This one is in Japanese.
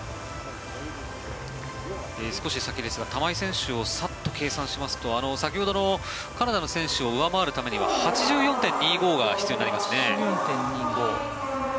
少し先ですが玉井選手をさっと計算しますと先ほどのカナダの選手を上回るためには８４．２５が必要になりますよね。